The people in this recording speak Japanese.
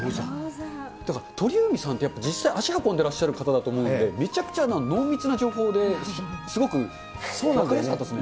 だから、鳥海さんって、実際、足運んでらっしゃる方だと思うので、めちゃくちゃ濃密な情報で、すごく分かりやすかったですね。